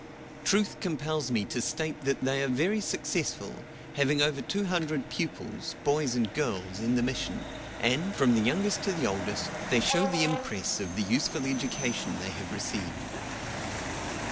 Truth compels me to state that they are very successful, having over two hundred pupils, boys and girls, in the Mission, and, from the oldest to the youngest, they show the impress of the useful education they have received.